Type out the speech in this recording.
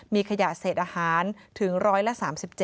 มีขยะเศษอาหารถึงร้อยละ๓๗